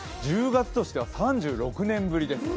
１０月としては３６年ぶりです。